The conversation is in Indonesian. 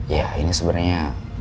ya ini sebenarnya